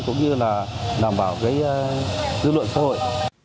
cũng như là đảm bảo cái dư luận xã hội